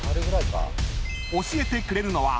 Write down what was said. ［教えてくれるのは］